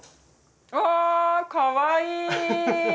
あかわいい！